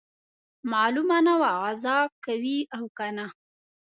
معلومه نه وه غزا کوي او کنه.